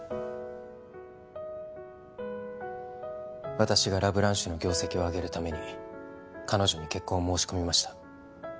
私がラ・ブランシュの業績を上げるために彼女に結婚を申し込みました